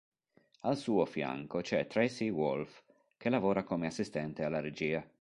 Al suo fianco c'è Tracey Wolfe, che lavora come assistente alla regia.